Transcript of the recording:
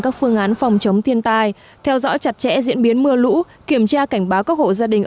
các phương án phòng chống thiên tai theo dõi chặt chẽ diễn biến mưa lũ kiểm tra cảnh báo các hộ gia đình